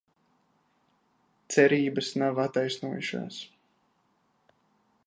Cerības nav attaisnojošās...